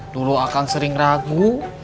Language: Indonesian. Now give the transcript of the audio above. dulu kang sering ragu